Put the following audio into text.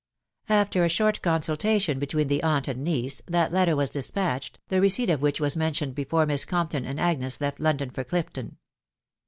After a short consultation between the aunt and niece, that letter was despatched, the receipt of which was mentioned before Miss Compton and Agnes left London for Clifton.